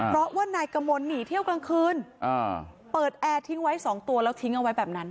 เพราะว่านายกมลหนีเที่ยวกลางคืนเปิดแอร์ทิ้งไว้๒ตัวแล้วทิ้งเอาไว้แบบนั้น